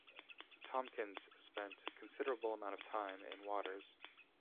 Tompkins spent a "considerable amount of time" in waters.